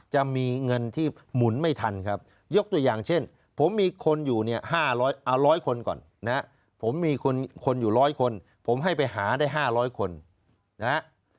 จะมีเงินที่หมุนไม่ทันครับยกตัวอย่างเช่นผมมีคนอยู่เนี่ยห้าร้อยคนก่อนนะผมมีคนอยู่ร้อยคนผมให้ไปหาได้ห้าร้อยคนนะ